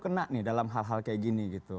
kena dalam hal hal kayak gini